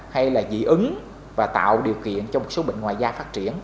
hay là dị ứng và tạo điều kiện cho một số bệnh ngoài da phát triển